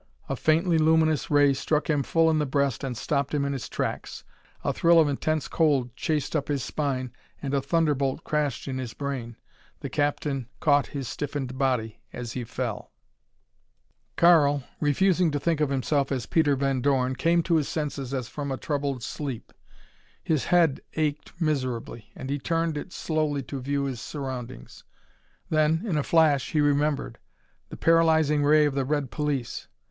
A faintly luminous ray struck him full in the breast and stopped him in his tracks. A thrill of intense cold chased up his spine and a thunderbolt crashed in his brain. The captain caught his stiffened body as he fell. Karl refusing to think of himself as Peter Van Dorn came to his senses as from a troubled sleep. His head ached miserably and he turned it slowly to view his surroundings. Then, in a flash, he remembered. The paralyzing ray of the red police!